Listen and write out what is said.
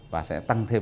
và sẽ tăng thêm